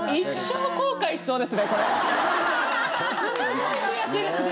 すごい悔しいですね。